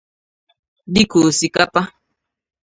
dịka osikapa